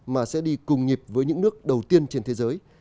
mà sẽ đi cùng nhịp với những nước đầu tiên trên thế giới